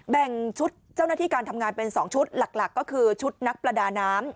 แบ่งชุดเจ้าหน้าที่การทำงานเป็น๒ชุดหลักก็คือชุดนักประดาน้ำ